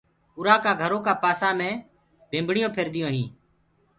اُرآ ڪآ گھرو ڪآ پآسآ مي ڀمڀڻونٚ ڦرديونٚ هينٚ۔